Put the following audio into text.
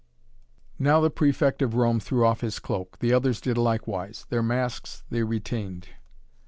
Now the Prefect of Rome threw off his cloak. The others did likewise. Their masks they retained.